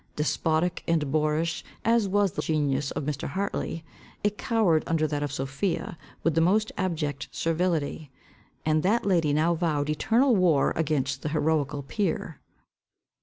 Despotic and boorish as was the genius of Mr. Hartley, it cowred under that of Sophia with the most abject servility. And that lady now vowed eternal war against the heroical peer.